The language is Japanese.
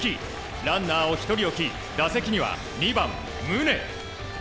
ランナーを１人置き打席には２番、宗。